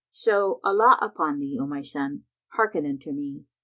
So, Allah upon thee, O my son, hearken unto me.